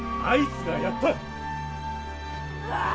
あいつが殺った。